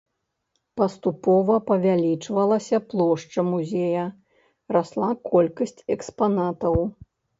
Паступова павялічвалася плошча музея, расла колькасць экспанатаў.